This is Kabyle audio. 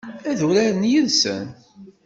Ad uraren yid-sen?